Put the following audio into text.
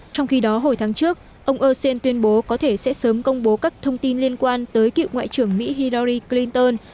trong khi đó hồi tháng trước ông o shane tuyên bố có thể sẽ sớm công bố các thông tin liên quan tới cựu ngoại trưởng mỹ hillary clinton